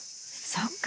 そっか。